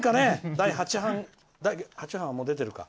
第８版第８版はもう出てるか。